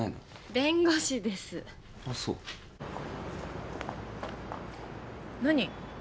弁護士ですあっそう何？